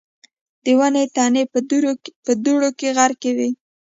د ونو تنې په دوړو کې غرقي وې.